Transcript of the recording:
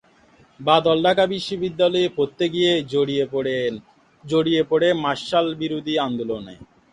বাদল ঢাকা বিশ্ববিদ্যালয়ে পড়তে গিয়ে জড়িয়ে পড়ে মার্শাল’ল বিরোধী আন্দোলনে।